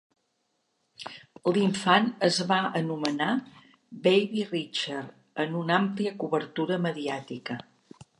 L'infant es va anomenar "Baby Richard" en una amplia cobertura mediàtica.